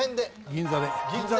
銀座で？